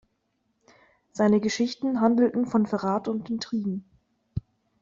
Seine Geschichten handelten von Verrat und Intrigen.